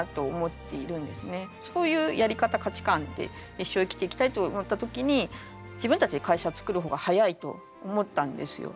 そういうやり方価値観で一生生きていきたいと思った時に自分たちで会社つくる方が早いと思ったんですよ。